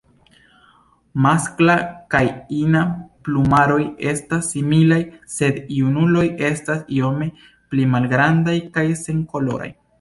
Maskla kaj ina plumaroj estas similaj, sed junuloj estas iome pli malgrandaj kaj senkoloraj.